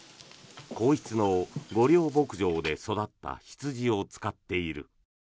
皇室の御料牧場で育った羊を使っている。